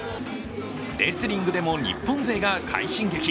レスリングでも日本勢が快進撃。